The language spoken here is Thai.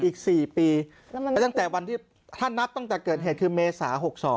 อีก๔ปีแต่ถ้านับตั้งแต่เกิดเหตุคือเมษา๖๒